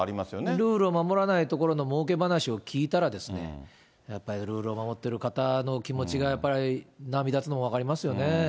ルールを守らない所のもうけ話を聞いたら、やっぱりルールを守ってる方の気持ちが、やっぱり波立つのも分かりますよね。